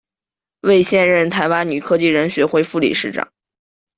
为现任台湾女科技人学会副理事长。